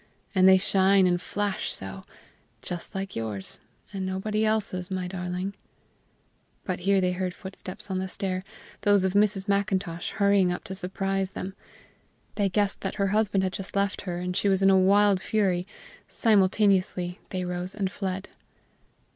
and they shine and flash so just like yours, and nobody else's, my darling." But here they heard footsteps on the stair those of Mrs. Macintosh, hurrying up to surprise them. They guessed that her husband had just left her, and that she was in a wild fury; simultaneously they rose and fled.